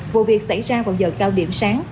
vụ việc xảy ra vào giờ cao điểm sáng